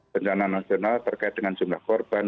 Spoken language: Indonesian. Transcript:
bencana nasional terkait dengan jumlah korban